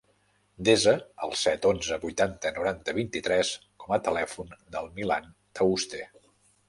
Desa el set, onze, vuitanta, noranta, vint-i-tres com a telèfon del Milan Tauste.